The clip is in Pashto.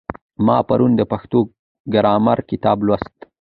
ما پرون د پښتو ګرامر کتاب لوست.